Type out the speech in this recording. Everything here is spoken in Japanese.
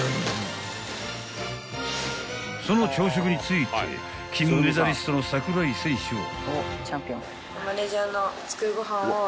［その朝食について金メダリストの櫻井選手は］